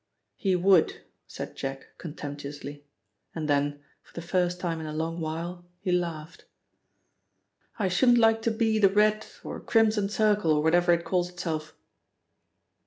"He would," said Jack contemptuously, and then, for the first time in a long while, he laughed. "I shouldn't like to be the Red or Crimson Circle, or whatever it calls itself."